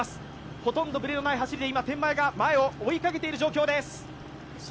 ほとんどブレのない走りで今、天満屋が前を追いかけている状況です。